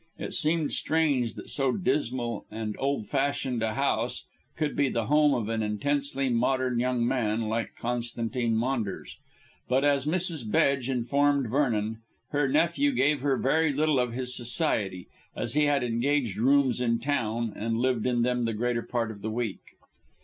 It seemed strange that so dismal and old fashioned a house should be the home of an intensely modern young man like Constantine Maunders. But, as Mrs. Bedge informed Vernon, her nephew gave her very little of his society, as he had engaged rooms in town and lived in them the greater part of the week.